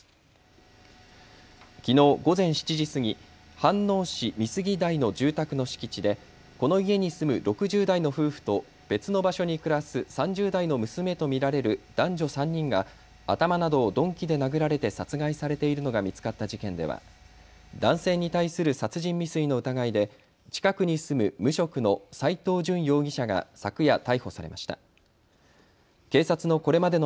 きのう午前７時過ぎ、飯能市美杉台の住宅の敷地でこの家に住む６０代の夫婦と別の場所に暮らす３０代の娘と見られる男女３人が頭などを鈍器で殴られて殺害されているのが見つかった事件では男性に対する殺人未遂の疑いで近くに住む無職の斎藤淳容疑者が昨夜、逮捕されました。